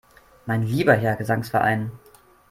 Mein lieber Herr Gesangsverein!